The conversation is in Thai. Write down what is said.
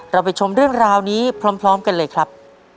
ไปชมเรื่องราวนี้พร้อมกันเลยครับ